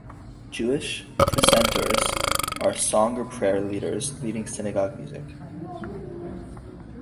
Jewish precentors are song or prayer leaders, leading Synagogue music.